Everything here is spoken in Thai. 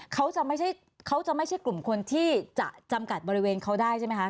เขาจะไม่ใช่กลุ่มคนที่จะจำกัดบริเวณเขาได้ใช่ไหมคะ